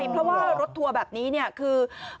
เพราะว่ารถทัวร์แบบนี้เนี่ยคือ